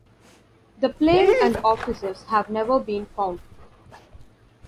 The plane and officers have never been found.